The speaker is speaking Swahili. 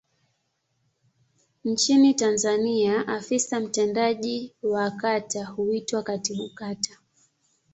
Nchini Tanzania afisa mtendaji wa kata huitwa Katibu Kata.